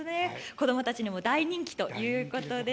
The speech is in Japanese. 子供たちにも大人気ということです。